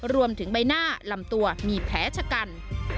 รวมถึงใบหน้าลำตัวมีแผลชะกัน